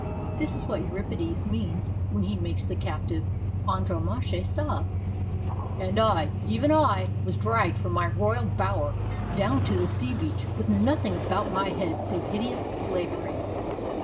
This is what Euripides means when he makes the captive Andromache sob :' And I, even I, was dragged from my royal bower down to the sea beach with nothing about my head save hideous slavery.'